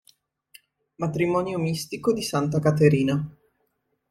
Matrimonio mistico di santa Caterina